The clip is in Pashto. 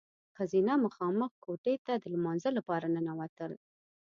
ښځینه مخامخ کوټې ته د لمانځه لپاره ننوتل.